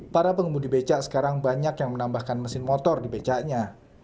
para pengemudi becak sekarang banyak yang menambahkan mesin motor di becaknya